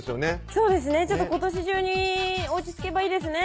そうですね今年中に落ち着けばいいですね